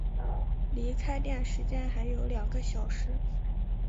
离开店时间还有两个小时